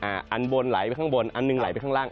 อันบนไหลไปข้างบนอันหนึ่งไหลไปข้างล่าง